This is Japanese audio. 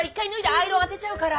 アイロン当てちゃうから。